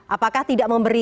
apakah tidak membencana